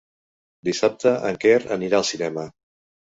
Dissabte en Quer anirà al cinema.